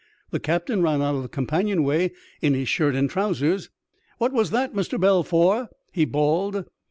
The captain ran out of the companion way in his shirt and trousers. " What was that, Mr. Balfour ?" he bawled.